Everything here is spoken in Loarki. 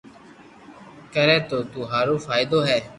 ڪري تو ٿو ھارو فائدو ھي